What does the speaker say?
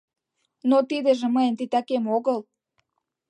Но тидыже мыйын титакем огыл.